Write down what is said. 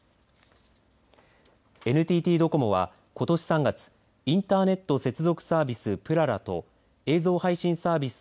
ＮＴＴドコモはことし３月インターネット接続サービスぷららと映像配信サービス